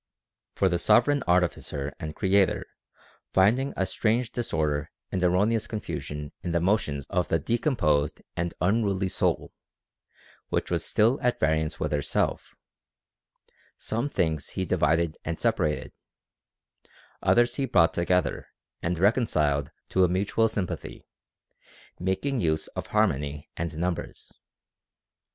For the Sovereign Artificer and Creator finding a strange disorder and erro neous confusion in the motions of the decomposed and unruly soul, which was still at variance with herself, some things he divided and separated, others he brought to gether and reconciled to a mutual sympathy, making use of harmony and numbers.